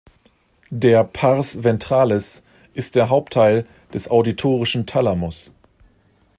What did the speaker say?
Der pars ventralis ist der Hauptteil des auditorischen Thalamus.